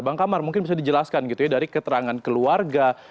bang kamar mungkin bisa dijelaskan gitu ya dari keterangan keluarga